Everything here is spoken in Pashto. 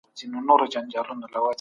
خدای ته د شکر سجده کوي.